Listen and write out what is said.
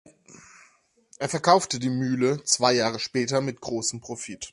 Er verkaufte die Mühle zwei Jahre später mit großem Profit.